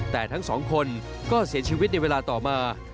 แต่ทั้งสองคนก็เสียชีวิตในเวลาต่อมา